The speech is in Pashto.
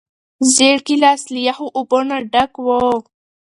زېړ ګیلاس له یخو اوبو نه ډک و.